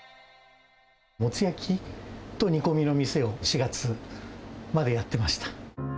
モツ焼きと煮込みの店を４月までやってました。